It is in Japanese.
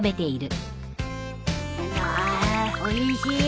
あおいしい。